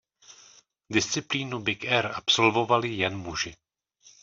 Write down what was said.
Disciplínu Big Air absolvovali jen muži.